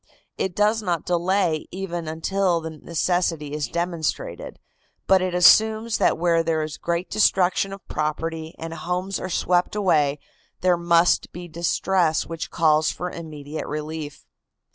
It does not delay even until the necessity is demonstrated, but it assumes that where there is great destruction of property and homes are swept away there must be distress which calls for immediate relief.